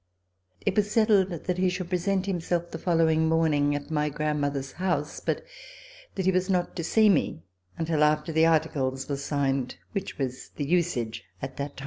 It was settled that he should present himself the following morning at my grandmother's house, but that he was not to see me until after the articles were signed, which was the usage at that time.